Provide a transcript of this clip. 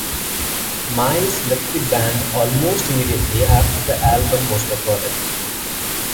Myles left the band almost immediately after the album was recorded.